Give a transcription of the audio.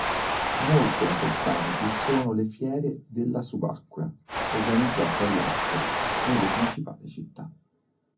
Molto importanti sono le "Fiere della Subacquea" organizzate all'estero nelle principali città.